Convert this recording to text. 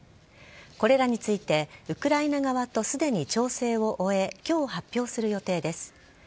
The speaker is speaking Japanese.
これらについてウクライナ側とすでに調整を終え今日発表する予定です。